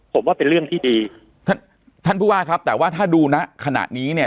ผมว่าเป็นเรื่องที่ดีท่านท่านผู้ว่าครับแต่ว่าถ้าดูนะขณะนี้เนี่ย